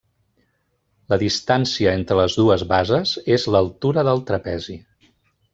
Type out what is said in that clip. La distància entre les dues bases és l'altura del trapezi.